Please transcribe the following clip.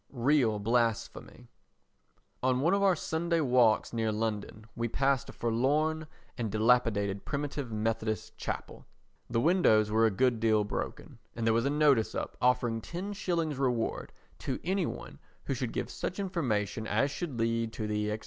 Real Blasphemy On one of our Sunday walks near London we passed a forlorn and dilapidated Primitive Methodist Chapel. The windows were a good deal broken and there was a notice up offering 10/ reward to any one who should give such information as should lead to the, &c.